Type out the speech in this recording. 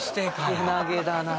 けなげだな。